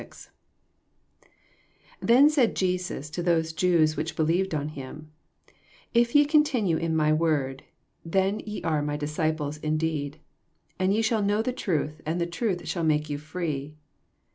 31 Then said Jeeiui to thoee Jews which believed on him, If ye continne in my word, them are ye my disciples indeed; 82 And ye shall know the truth, and the truth shall make you free.